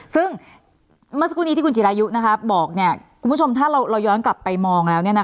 ซึ่งเมื่อสักครู่นี้ที่คุณจิรายุบอกคุณผู้ชมถ้าเราย้อนกลับไปมองแล้ว